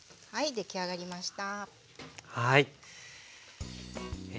出来上がりました。